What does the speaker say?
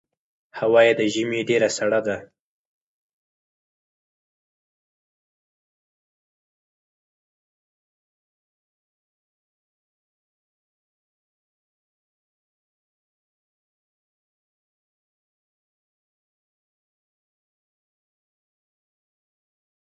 دوی له اروپا سره مقایسه کېدلای شي.